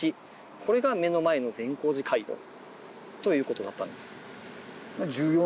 これが目の前の善光寺街道ということだったんです。